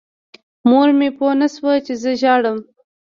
مور مې پوه نه شوه چې زه ژاړم.